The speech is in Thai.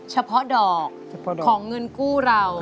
เฉพาะดอกของเงินกู้เรา